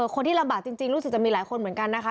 คนที่ลำบากจริงรู้สึกจะมีหลายคนเหมือนกันนะคะ